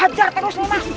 hajar terus mas